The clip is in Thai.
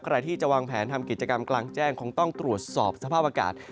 ใครที่จะวางแผนทำกิจกรรมกลางแจ้งคงต้องตรวจสอบสภาพอากาศ